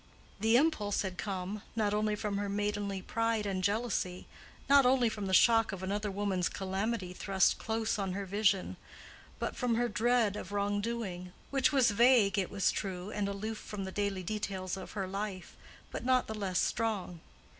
The impulse had come—not only from her maidenly pride and jealousy, not only from the shock of another woman's calamity thrust close on her vision, but—from her dread of wrong doing, which was vague, it was true, and aloof from the daily details of her life, but not the less strong.